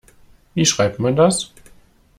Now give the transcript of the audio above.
Wie schreibt man das?